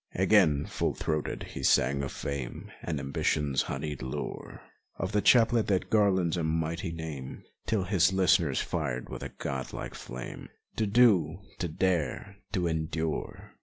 Again, full throated, he sang of fame And ambition's honeyed lure, Of the chaplet that garlands a mighty name, Till his listeners fired with the god like flam.e To do, to dare, to endure!